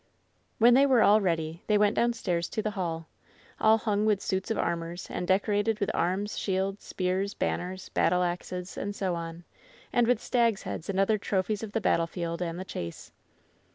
When they were all ready, they went downstairs to the hall, all hung with suits of armor, and decorated with arms, shields, spears, banners, battle axes, and so on, and with stags' heads and other trophies of the bat tlefield and the chase.